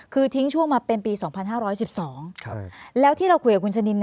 คือทิ้งช่วงมาเป็นปี๒๕๑๒แล้วที่เราคุยกับคุณชะนิน